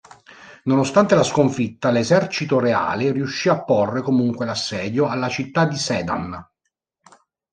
Nonostante la sconfitta l'esercito reale riuscì a porre comunque l'assedio alla città di Sedan.